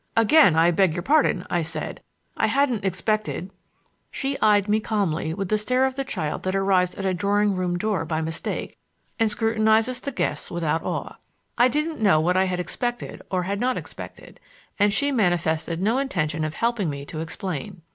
"Again, I beg your pardon," I said. "I hadn't expected—" She eyed me calmly with the stare of the child that arrives at a drawing room door by mistake and scrutinizes the guests without awe. I didn't know what I had expected or had not expected, and she manifested no intention of helping me to explain.